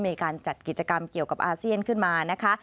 มีการจัดกิจกรรมเกี่ยวกับอาเซียนขึ้นมานะคะ